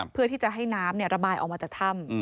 เพื่อที่จะให้น้ำระบายออกมาจากถ้ำ